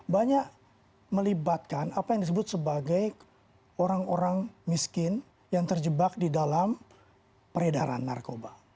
banyak melibatkan apa yang disebut sebagai orang orang miskin yang terjebak di dalam peredaran narkoba